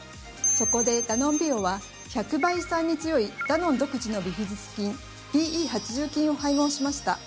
そこでダノンビオは１００倍胃酸に強いダノン独自のビフィズス菌「ＢＥ８０菌」を配合しました。